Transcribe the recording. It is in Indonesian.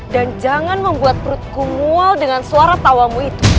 dan jangan membuat perutku mual dengan suara tawamu itu